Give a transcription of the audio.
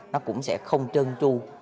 nó cũng sẽ không trơn tru